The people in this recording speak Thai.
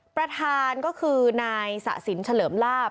ประธานก็คือนายสะสินเฉลิมลาบ